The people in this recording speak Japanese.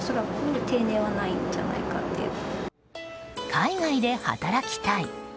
海外で働きたい。